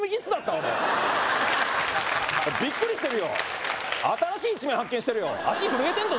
俺ビックリしてるよ新しい一面発見してるよ足震えてんだぞ